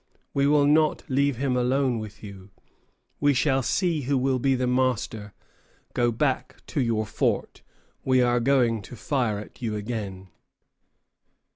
We will not leave him alone with you. We shall see who will be the master. Go back to your fort. We are going to fire at you again."